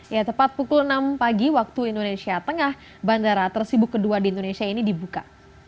ya tepat pukul enam pagi waktu indonesia tengah bandara tersibuk kedua di indonesia ini dibuka